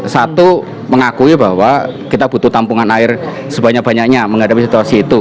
satu mengakui bahwa kita butuh tampungan air sebanyak banyaknya menghadapi situasi itu